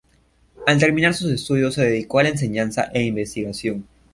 Al terminar sus estudios se dedicó a la enseñanza e investigación.